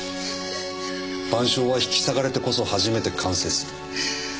『晩鐘』は引き裂かれてこそ初めて完成する。